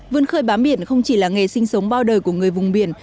vươn khơi bám biển không chỉ là nghề sinh sống bao đời của người vùng biển